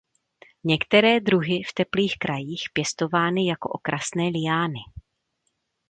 Některé druhy v teplých krajích pěstovány jako okrasné liány.